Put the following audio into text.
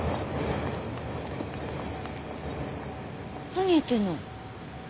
何やってんの。